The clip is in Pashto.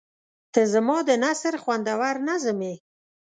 • ته زما د نثر خوندور نظم یې.